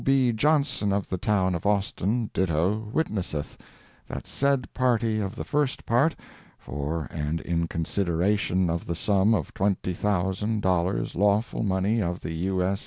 B. Johnson, of the town Of Austin, ditto, WITNESSETH: That said party of the first part, For and in consideration Of the sum of Twenty Thousand Dollars, lawful money of The U. S.